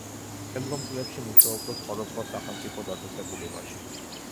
შემდგომ წლებში მუშაობდა სხვადასხვა სახელმწიფო დაწესებულებაში.